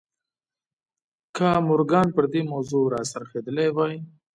که مورګان پر دې موضوع را څرخېدلی وای